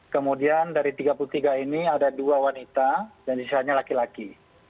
kemudian dari tiga puluh tiga ini ada dua wanita dan sisanya laki laki